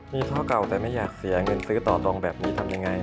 มีข้อเก่าแต่ไม่อยากเสียเงินซื้อต่อตรงแบบนี้ทำยังไง